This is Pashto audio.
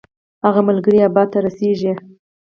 هغه ملګری یې ابادۍ ته رسېږي.